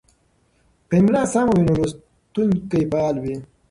که املا سمه وي نو لوستونکی فعاله وي.